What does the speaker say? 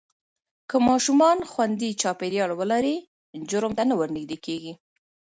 که ماشومان خوندي چاپېریال ولري، جرم ته نه ورنږدې کېږي.